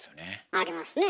ありますねえ。